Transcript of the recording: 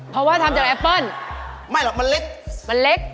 เพราะว่าทำจากแอปเปิ้ลไม่หรอกมันเล็กมันเล็ก